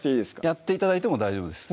やって頂いても大丈夫です